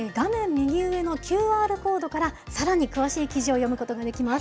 右上のＱＲコードから、さらに詳しい記事を読むことができます。